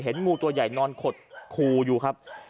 งูตัวใหญ่นอนขดคูอยู่ครับ